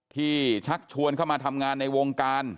ชักชวนเข้ามาทำงานในวงการ